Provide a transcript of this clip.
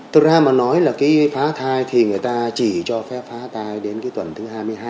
thực ra mà nói là cái phá thai thì người ta chỉ cho phép phá thai đến cái tuần thứ hai mươi hai